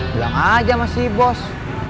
bilang aja mas si bos